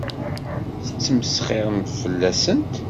Tettmesxiṛemt fell-asent.